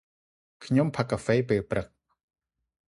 ខ្ញុំផឹកកាហ្វេពេលព្រឹក។